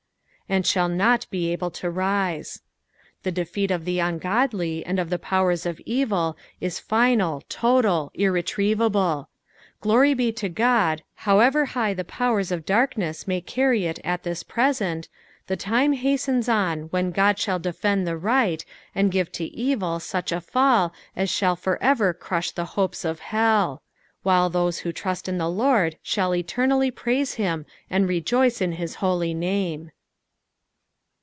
" And shall not be able to ri»e." The defeat of the ungodly and of the powers of evil is final, total, irretrievable. Olory be to God, however high the powera of darkness may carry it at this present, the time hastens on when Quo shall defend the right, and give to evil such a fall as sball for ever crush the hopes of hell ; while those who trust in the Lord shall eternally praise him and rejoice in his holy name.